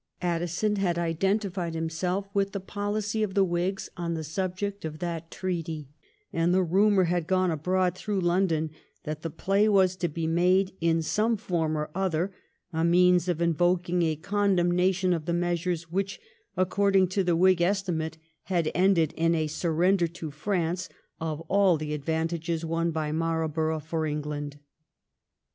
Addison had identified himself with the policy of the Whigs on the subject of that treaty, and the rumour had gone abroad through London that the play was to be made, in some form or other, a means of invoking a condemnation of the measures which, according to the Whig estimate, had ended in a sur render to France of all the advantages won by Marl borough for England.